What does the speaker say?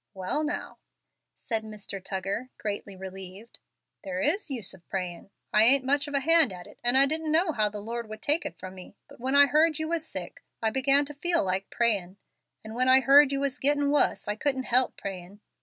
"Well, now," said Mr. Tuggar, greatly relieved, "there is use of prayin'. I ain't much of a hand at it, and didn't know how the Lord would take it from me; but when I heard you was sick, I began to feel like prayin', and when I heard you was gettin' wuss, I couldn't help prayin'.